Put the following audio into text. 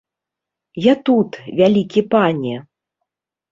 Я тут, вялікі пане!